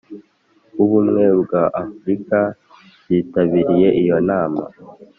w'ubumwe bw'afurika (oua) byitabiriye iyo nama.